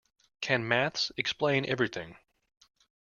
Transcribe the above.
Can maths explain everything?